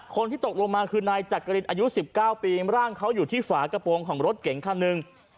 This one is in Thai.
คนที่ตกลงมาคือนายจักรินอายุ๑๙ปีร่างเขาอยู่ที่ฝากระโปรงของรถเก๋งคันหนึ่ง